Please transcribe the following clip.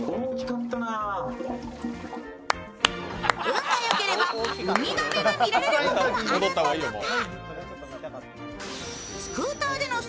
運がよければウミガメが見られることもあるんだとか。